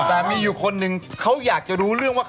แต่มีอยู่คนหนึ่งเขาอยากจะรู้เรื่องว่า